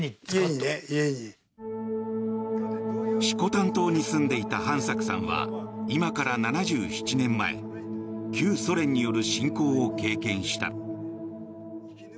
色丹島に住んでいた飯作さんは今から７７年前旧ソ連による侵攻を経験した。